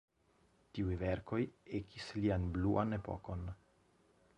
Tiuj verkoj ekis lian "bluan epokon".